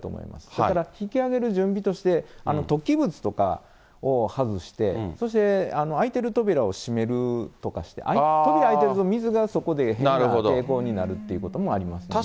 それから引き揚げる準備として、突起物とかを外して、そして開いてる扉を閉めるとかして、扉が開いてると、水がそこで変な抵抗になるということもありますんで。